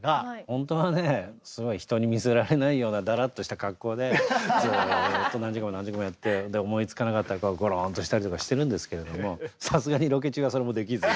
本当はねすごい人に見せられないようなだらっとした格好でずっと何時間も何時間もやって思いつかなかったらゴロンとしたりとかしてるんですけれどもさすがにロケ中はそれもできず。